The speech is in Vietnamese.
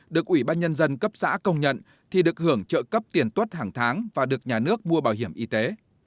được ủy ban nhân dân cấp xã công nhận thì được hưởng trợ cấp tiền tuất hàng tháng và được nhà nước mua bảo hiểm y tế